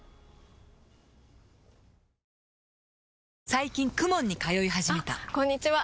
最近 ＫＵＭＯＮ に通い始めたあこんにちは！